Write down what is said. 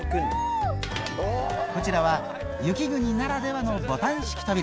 こちらは雪国ならではのボタン式扉。